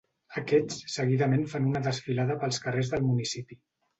Aquests seguidament fan una desfilada pels carrers del municipi.